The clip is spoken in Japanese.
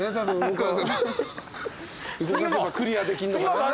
クリアできんのかな？